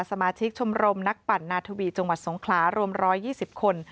สมาชิกชมรมนักปั่นนาธวีจังหวัดสงขลารวม๑๒๐คน